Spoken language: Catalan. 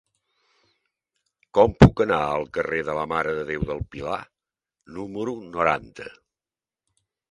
Com puc anar al carrer de la Mare de Déu del Pilar número noranta?